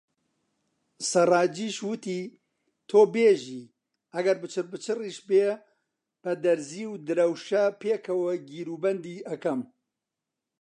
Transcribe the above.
سەڕاجیش وتی: تۆ بێژی ئەگەر پچڕپچڕیش بێ بە دەرزی و درەوشە پێکەوە گیروبەندی ئەکەم.